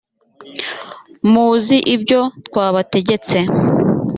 muzi ibyo twabategetse